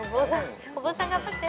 お坊さん頑張って。